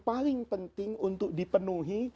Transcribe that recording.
paling penting untuk dipenuhi